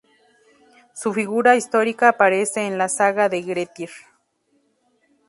Su figura histórica aparece en la "saga de Grettir".